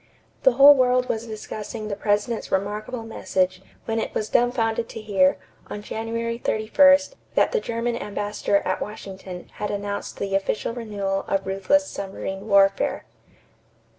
The whole world was discussing the President's remarkable message, when it was dumbfounded to hear, on January 31, that the German ambassador at Washington had announced the official renewal of ruthless submarine warfare.